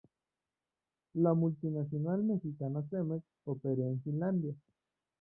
La multinacional mexicana Cemex opera en Finlandia.